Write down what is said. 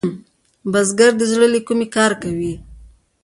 بزګر د زړۀ له کومي کار کوي